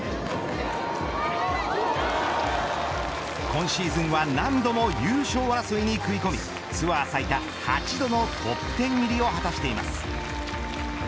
今シーズンは何度も優勝争いに食い込みツアー最多８度のトップ１０入りを果たしています。